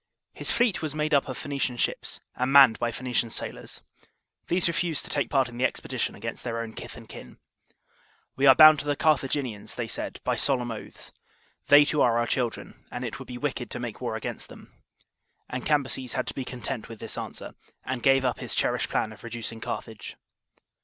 His fleet was made up of Phoe nician ships, and manned by Phoenician sailors. These refused to take part in the expedition against their own kith and kin. " We aro bound to the Carthaginians," they said, " by solemn oaths. They too are our children, and it would be wicked to make war against them." And Cambyses had to be content with this answer, and give up his cherished plan of reducing Carthage.